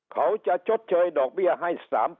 เขาจะชดเชยดอกเบี้ยให้๓